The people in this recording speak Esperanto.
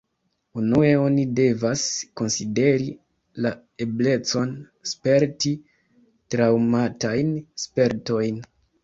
Unue oni devas konsideri la eblecon sperti traŭmatajn spertojn.